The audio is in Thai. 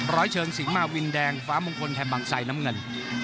ร้อยเชิงสิงหมาวินแดงฟ้ามงคลแถมบางไซน้ำเงิน